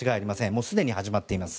もう既に始まっています。